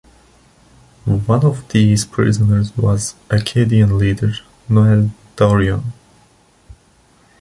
One of these prisoners was Acadian leader Noel Doiron.